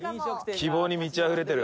希望に満ちあふれてる。